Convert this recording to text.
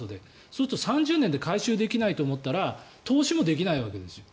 そうすると３０年で回収できないと思ったら投資もできないわけですよ。